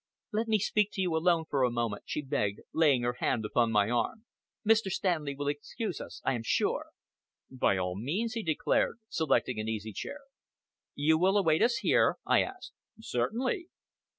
"Let me speak to you alone for a moment," she begged, laying her hand upon my arm. "Mr. Stanley will excuse us, I am sure." "By all means," he declared, selecting an easy chair. "You will await us here?" I asked. "Certainly!"